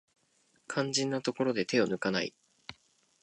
肝心なところで手を抜かない